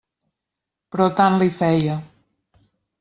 Però tant li feia.